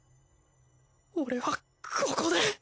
俺はここで